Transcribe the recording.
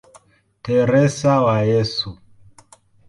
Teresa wa Yesu".